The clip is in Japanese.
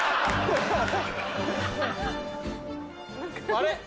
あれ。